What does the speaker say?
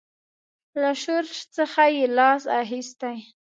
له شورش څخه یې لاس اخیستی.